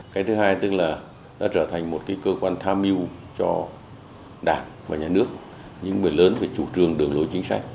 cái thứ hai tức là đã trở thành một cơ quan tham mưu cho đảng và nhà nước